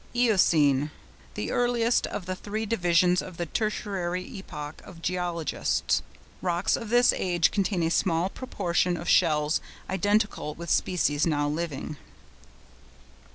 EOCENE.—The earliest of the three divisions of the Tertiary epoch of geologists. Rocks of this age contain a small proportion of shells identical with species now living.